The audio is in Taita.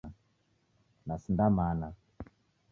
Nasinda mana.